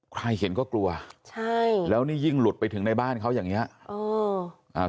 ใครเห็นก็กลัวใช่แล้วนี่ยิ่งหลุดไปถึงในบ้านเขาอย่างเงี้เอออ่า